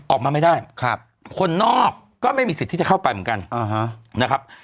ออกมาไม่ได้คนนอกก็ไม่มีสิทธิ์ที่จะเข้าไปเหมือนกันนะครับ